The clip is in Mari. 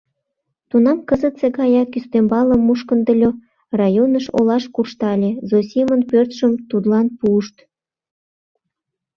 Тунам кызытсе гаяк ӱстембалым мушкындыльо, районыш, олаш куржтале — Зосимын пӧртшым тудлан пуышт...